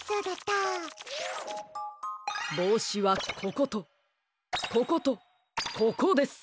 ぼうしはこことこことここです。